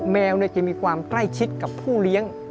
แมวจะมีความใกล้ชิดกับผู้เลี้ยง